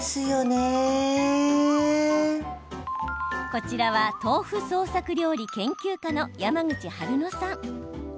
こちらは豆腐創作料理研究家の山口はるのさん。